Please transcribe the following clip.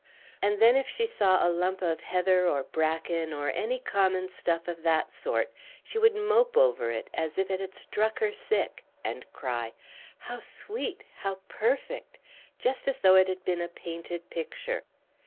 And then if she saw a lump of heather or bracken, or any common stuff of that sort, she would mope over it, as if it had struck her sick, and cry, "How sweet! how perfect!" just as though it had been a painted picture.